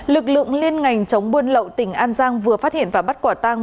lực lượng liên ngành chống buôn lậu tỉnh an giang vừa phát hiện và bắt quả tăng